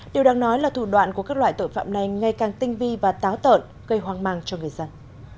điều đáng nói là thủ đoạn của các loại tội phạm này ngay càng tinh vi và táo tợn gây hoang mang cho người dân